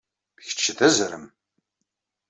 Kečč d azrem!